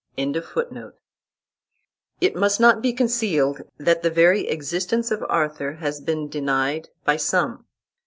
"] It must not be concealed that the very existence of Arthur has been denied by some.